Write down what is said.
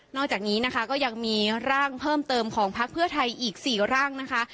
จากนี้นะคะก็ยังมีร่างเพิ่มเติมของพักเพื่อไทยอีก๔ร่างนะคะ